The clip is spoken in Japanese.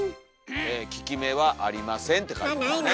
「効き目はありません！」って書いてはるね。